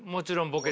ボケ。